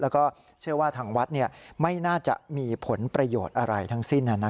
แล้วก็เชื่อว่าทางวัดไม่น่าจะมีผลประโยชน์อะไรทั้งสิ้น